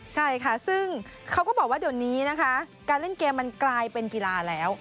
ใช่ค่ะซึ่งเขาก็บอกว่าเดี๋ยวนี้นะคะการเล่นเกมมันกลายเป็นกีฬาแล้ว